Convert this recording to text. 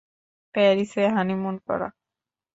প্যারিসে হানিমুন করা।